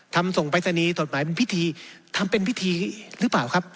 ทำส่งไปรษณีย์ส่งจดหมายเป็นพิธีทำเป็นพิธีหรือเปล่าครับ